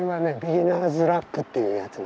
ビギナーズラックっていうやつ。